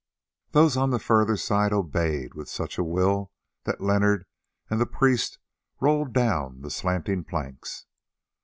Those on the further side obeyed with such a will that Leonard and the priest rolled down the slanting planks.